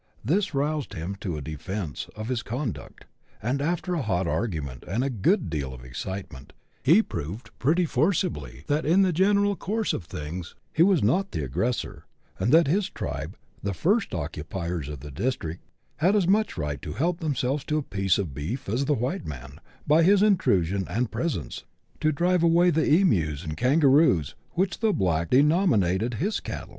This roused him to a defence of his conduct, and after a hot argument and a good deal of excitement, he proved pretty forcibly that, in the natural course of things, he was not the aggressor, and that his tribe, the first occupiers of the district, had as much right to help themselves to a piece of "feeef, as the white man, by his intrusion and pre sence, to drive away the emus and kangaroos, which the black denominated his cattle.